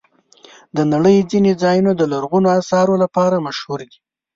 د نړۍ ځینې ځایونه د لرغونو آثارو لپاره مشهور دي.